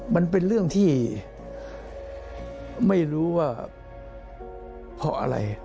มันเป็นเรื่องที่ไม่รู้ว่าเพราะอะไร